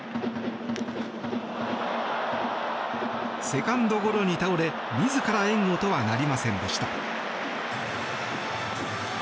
セカンドゴロに倒れ自ら援護とはなりませんでした。